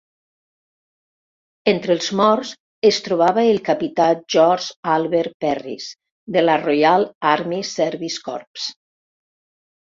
Entre els morts es trobava el Capità George Albert Perris, de la Royal Army Service Corps.